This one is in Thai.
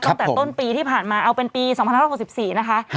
ตั้งแต่ต้นปีที่ผ่านมาเอาเป็นปี๒๑๖๔นะคะ